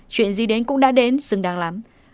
chuyện gì đến cũng đã đến xứng đáng lắm